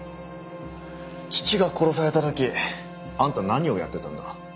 父が殺された時あんた何をやってたんだ？